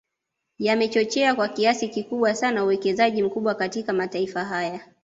Yamechochea kwa kiasi kikubwa sana uwekezaji mkubwa katika mataifa haya